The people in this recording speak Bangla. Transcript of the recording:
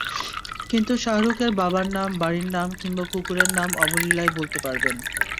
কিন্তু শাহরুখের বাবার নাম, বাড়ির নাম কিংবা কুকরের নাম অবলীলায় বলতে পারবেন।